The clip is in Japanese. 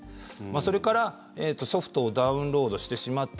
それから、ソフトをダウンロードしてしまった。